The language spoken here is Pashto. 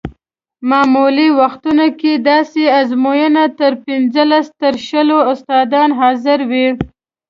معمولي وختونو کې داسې ازموینو ته پنځلس تر شلو استادان حاضر وي.